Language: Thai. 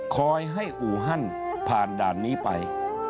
คอยให้อู่ฮั่นผ่านด่านนี้ไป